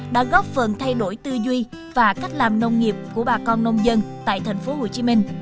đã góp phần thay đổi tư duy và cách làm nông nghiệp của bà con nông dân tại tp hcm